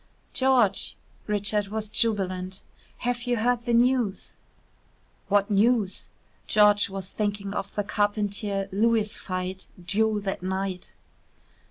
"George!" Richard was jubilant. "Have you heard the news?" "What news?" George was thinking of the Carpentier Lewis fight due that night.